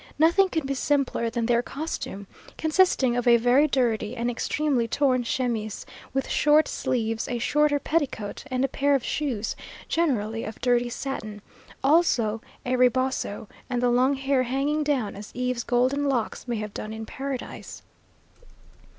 Nothing could be simpler than their costume, consisting of a very dirty and extremely torn chemise, with short sleeves, a shorter petticoat, and a pair of shoes, generally of dirty satin: also a reboso, and the long hair hanging down as Eve's golden locks may have done in Paradise.